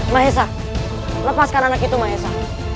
mahesa lepaskan anak itu mahesa